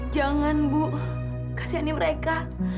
jangan bu kasiannya mereka